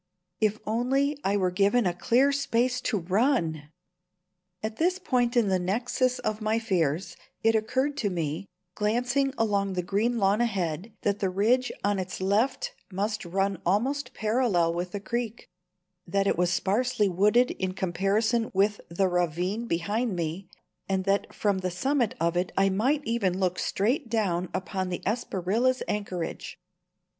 If only I were given a clear space to run! At this point in the nexus of my fears it occurred to me, glancing along the green lawn ahead, that the ridge on its left must run almost parallel with the creek; that it was sparsely wooded in comparison with the ravine behind me, and that from the summit of it I might even look straight down upon the Espriella's anchorage.